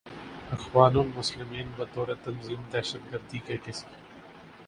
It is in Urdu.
اخوان المسلمین بطور تنظیم دہشت گردی کے کسی